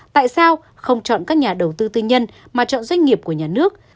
tại sao không chọn các nhà đầu tư tư nhân mà chọn doanh nghiệp của nhà nước